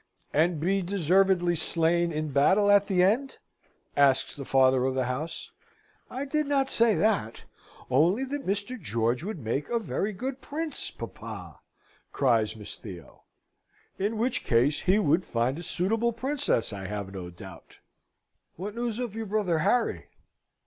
"And be deservedly slain in battle at the end?" asks the father of the house. "I did not say that, only that Mr. George would make a very good Prince, papa!" cries Miss Theo. "In which case he would find a suitable Princess, I have no doubt. What news of your brother Harry?"